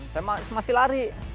saya masih lari